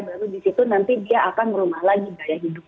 baru disitu nanti dia akan berumah lagi